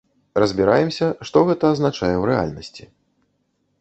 Разбіраемся, што гэта азначае ў рэальнасці.